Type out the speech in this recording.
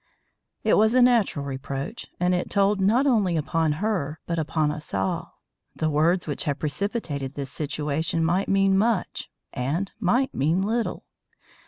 It was a natural reproach, and it told not only upon her, but upon us all. The words which had precipitated this situation might mean much and might mean little.